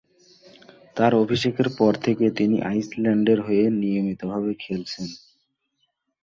তার অভিষেকের পর থেকে তিনি আইসল্যান্ডের হয়ে নিয়মিতভাবে খেলছেন।